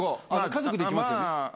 家族で行きますよね？